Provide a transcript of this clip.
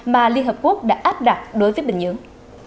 mà liên hợp quốc đã áp đặt đối với bình nhưỡng